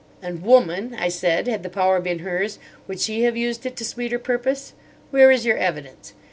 "And woman," I said, "had the power been hers, would she have used it to sweeter purpose? Where is your evidence?